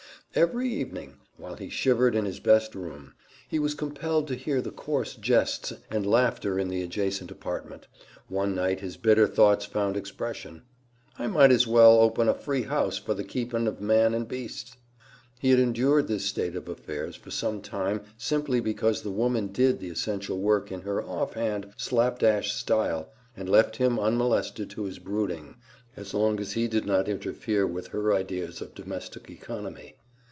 Every evening, while he shivered in his best room, he was compelled to hear the coarse jests and laughter in the adjacent apartment. One night his bitter thoughts found expression: "I might as well open a free house for the keeping of man and beast." He had endured this state of affairs for some time simply because the woman did the essential work in her offhand, slapdash style, and left him unmolested to his brooding as long as he did not interfere with her ideas of domestic economy.